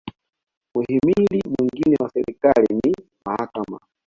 muhimili mwingine wa serikali ni mahakama